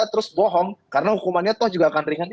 terus bohong karena hukumannya toh juga akan ringan